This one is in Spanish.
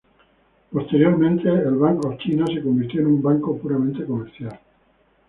Posteriormente, el Bank of China se convirtió en un banco puramente comercial.